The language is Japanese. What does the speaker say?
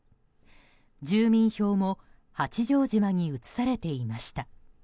住民票も八丈島に移されていました。